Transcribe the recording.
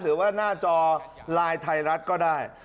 หรือว่าหน้าจอไลน์ไทยรัฐก็ได้